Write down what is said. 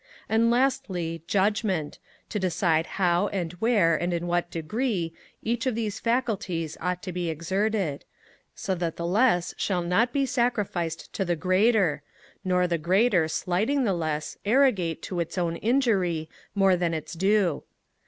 And, lastly, Judgement, to decide how and where, and in what degree, each of these faculties ought to be exerted; so that the less shall not be sacrificed to the greater; nor the greater, slighting the less, arrogate, to its own injury, more than its due.